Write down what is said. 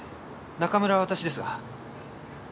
中村は私ですが。